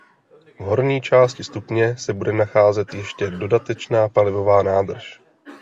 V horní části stupně se bude nacházet ještě dodatečná palivová nádrž.